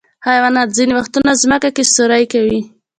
حیوانات ځینې وختونه ځمکه کې سوری کوي.